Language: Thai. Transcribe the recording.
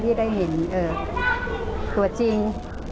ที่ได้เห็นตัวจริง